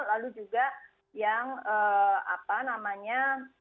lalu juga yang apa namanya